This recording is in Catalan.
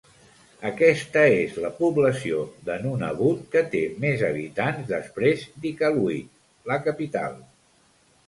Aquesta és la població de Nunavut que té més habitants després d'Iqaluit, la capital.